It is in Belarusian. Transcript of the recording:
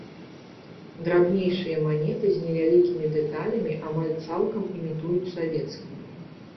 Драбнейшыя манеты з невялікімі дэталямі амаль цалкам імітуюць савецкія.